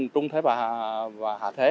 trung thế và hạ thế